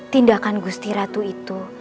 tindakan gusti ratu itu